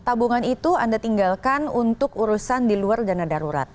tabungan itu anda tinggalkan untuk urusan di luar dana darurat